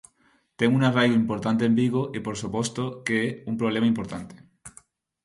Ten un arraigo importante en Vigo e por suposto que é un problema importante.